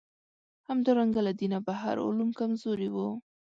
همدارنګه له دینه بهر علوم کمزوري وو.